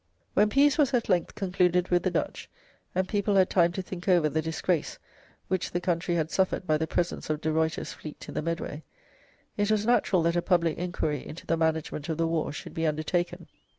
When peace was at length concluded with the Dutch, and people had time to think over the disgrace which the country had suffered by the presence of De Ruyter's fleet in the Medway, it was natural that a public inquiry into the management of the war should be undertaken.